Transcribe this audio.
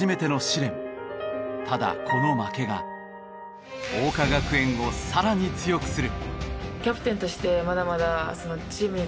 ただこの負けが桜花学園をさらに強くする。